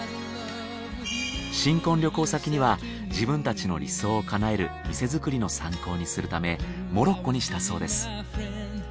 新婚旅行先には自分たちの理想をかなえる店づくりの参考にするためモロッコにしたそうです。